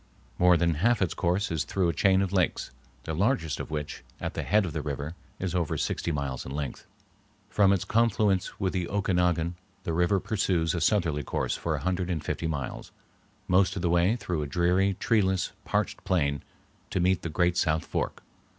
More than half its course is through a chain of lakes, the largest of which at the head of the river is over sixty miles in length. From its confluence with the Okinagan the river pursues a southerly course for a hundred and fifty miles, most of the way through a dreary, treeless, parched plain to meet the great south fork.